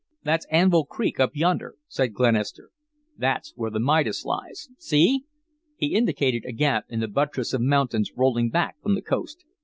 "That's Anvil Creek up yonder," said Glenister. "There's where the Midas lies. See!" He indicated a gap in the buttress of mountains rolling back from the coast.